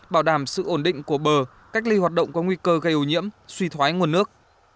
bảo đảm sự ổn định của bờ cách ly hoạt động có nguy cơ gây ô nhiễm suy thoái nguồn nước